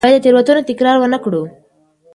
باید د تېرو تېروتنو تکرار ونه کړو.